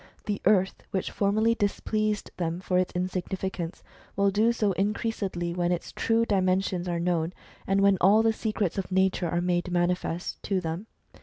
The earth, which formerly displeased them for its insignificance, will do so increasedly when its true dimensions are known, and when all the secrets of nature are made manifest to them.